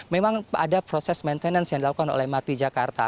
memang ada proses maintenance yang dilakukan oleh mrt jakarta